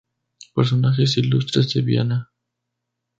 Personajes ilustres de Viana